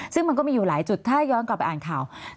ซึ่งมันก็มีอยู่หลายจุดถ้าย้อนกลับไปอ่านข่าว